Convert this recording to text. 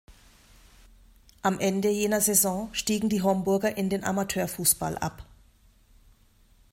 Am Ende jener Saison stiegen die Homburger in den Amateurfußball ab.